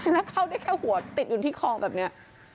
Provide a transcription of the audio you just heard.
แล้วเข้าได้แค่หัวติดอยู่ที่คอแบบนี้